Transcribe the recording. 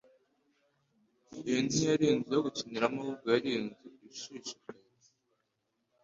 Iyi ntiyari inzu yo gukiniramo ahubwo yari inzu ishishikaye.